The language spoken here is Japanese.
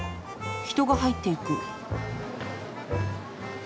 人が入っていく。